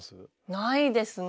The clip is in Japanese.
ないですね。